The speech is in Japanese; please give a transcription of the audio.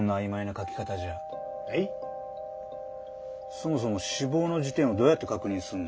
そもそも「死亡の時点」をどうやって確認すんの？